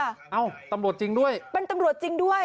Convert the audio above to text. เอ้าตำรวจจริงด้วยเป็นตำรวจจริงด้วย